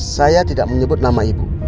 saya tidak menyebut nama ibu